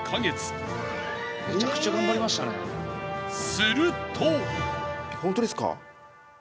すると。